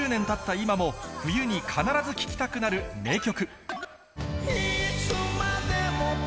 今も、冬に必ず聴きたくなる名曲。